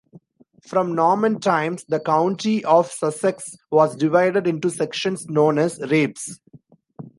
From Norman times the county of Sussex was divided into sections known as "rapes".